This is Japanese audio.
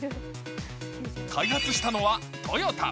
開発したのはトヨタ。